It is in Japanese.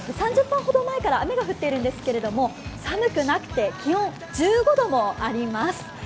３０分ほど前から雨が降っているんですけど、寒くなくて気温は１５度もあります。